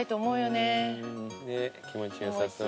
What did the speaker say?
ねえ気持ちよさそう。